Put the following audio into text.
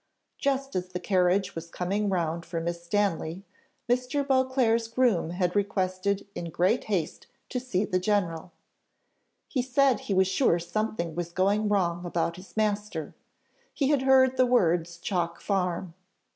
Just as the carriage was coming round for Miss Stanley, Mr. Beauclerc's groom had requested in great haste to see the general; he said he was sure something was going wrong about his master; he had heard the words Chalk Farm.